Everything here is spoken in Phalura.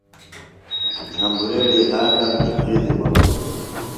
جھمبریڑیۡ ہاتم نِکرزِیۡ ملو